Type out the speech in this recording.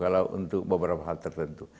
kalau untuk beberapa hal tertentu